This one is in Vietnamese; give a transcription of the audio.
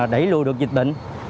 đẩy lùi được dịch bệnh